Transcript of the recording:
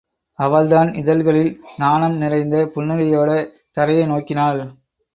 அவள்தான் இதழ்களில் நாணம் நிறைந்த புன்னகையோடே தரையை நோக்கினாள்.